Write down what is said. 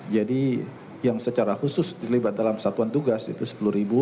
jadi yang secara khusus dilibat dalam satuan tugas itu sepuluh ribu